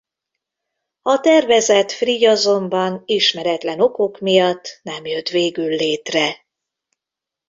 A tervezett frigy azonban ismeretlen okok miatt nem jött végül létre.